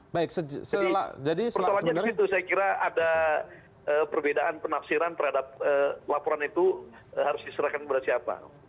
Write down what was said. jadi percaya saya saya kira ada perbedaan penafsiran terhadap laporan itu harus diserahkan kepada siapa